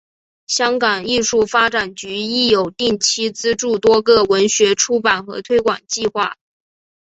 香港艺术发展局亦有定期资助多个文学出版和推广计划。